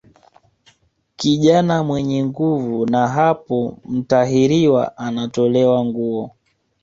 Kijana mwenye nguvu na hapo mtahiriwa anatolewa nguo